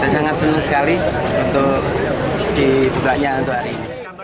saya sangat senang sekali untuk dibuatnya untuk hari ini